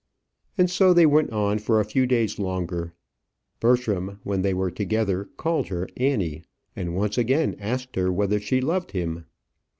And so they went on for a few days longer. Bertram, when they were together, called her Annie, and once again asked her whether she loved him.